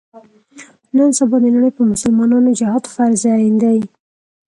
نن سبا د نړۍ په مسلمانانو جهاد فرض عین دی.